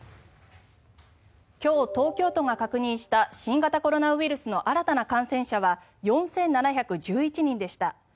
今日、東京都が確認した新型コロナウイルスの新たな感染者は４７１１人でした。